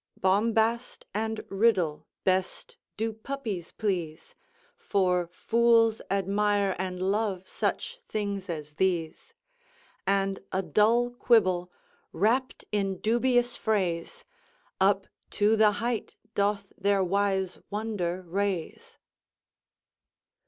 "Bombast and riddle best do puppies please, For fools admire and love such things as these; And a dull quibble, wrapt in dubious phrase, Up to the height doth their wise wonder raise."